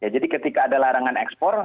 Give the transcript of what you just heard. jadi ketika ada larangan ekspor